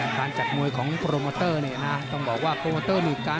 ทางจากมวยของโปโมเตอร์ต้องบอกว่า